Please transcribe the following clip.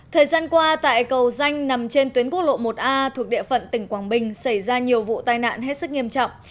thời gian qua tại cầu danh nằm trên tuyến quốc lộ một a thuộc địa phận tỉnh quảng bình xảy ra nhiều vụ tai nạn hết sức nghiêm trọng